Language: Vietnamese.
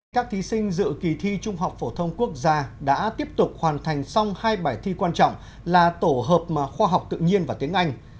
các thí sinh dự kỳ thi trung học phổ thông quốc gia đã tiếp tục hoàn thành xong hai bài thi quan trọng là tổ hợp khoa học tự nhiên và tiếng anh